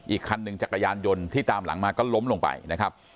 อีกคันหนึ่งจักรยานยนต์ที่ตามหลังมาก็ล้มลงไปนะครับ